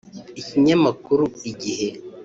Ikinyamakuru Igihe